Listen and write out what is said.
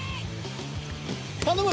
頼む！